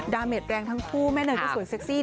เมดแรงทั้งคู่แม่เนยก็สวยเซ็กซี่